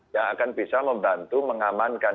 yang akan bisa membantu mengamankan